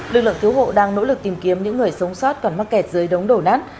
lực lượng cứu hộ đang nỗ lực tìm kiếm những người sống sót còn mắc kẹt dưới đống đổ nát